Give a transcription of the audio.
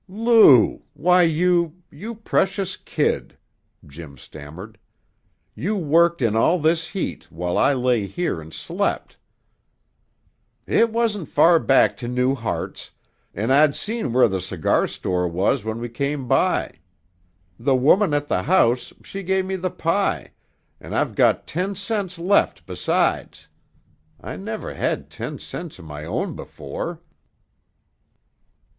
"Lou! Why, you you precious kid!" Jim stammered. "You worked in all this heat, while I lay here and slept." "It wasn't far back to New Hartz, an' I'd seen where the cigar store was when we came by. The woman at the house, she give me the pie, an' I've got ten cents left besides. I never had ten cents of my own before!"